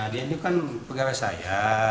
dia ini kan pegawai saya